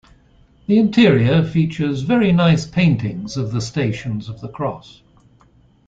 The interior features very nice paintings of the stations of the cross.